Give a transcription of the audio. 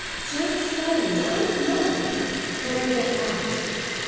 Jack's friend and mine don't forget that!